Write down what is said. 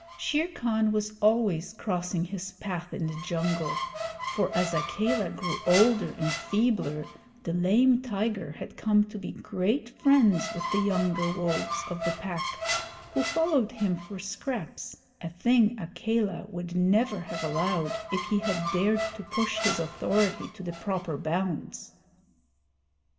Shere Khan was always crossing his path in the jungle, for as Akela grew older and feebler the lame tiger had come to be great friends with the younger wolves of the Pack, who followed him for scraps, a thing Akela would never have allowed if he had dared to push his authority to the proper bounds.